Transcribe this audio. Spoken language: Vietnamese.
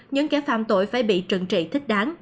những kẻ phạm tội phải bị trừng trị thích đáng